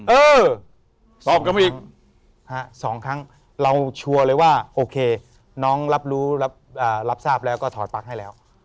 เออสองครั้งเราชัวร์เลยว่าโอเคน้องรับรู้รับรับทราบแล้วก็ถอดปลาให้แล้ว